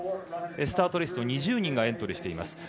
スタートリスト２０人がエントリーしています。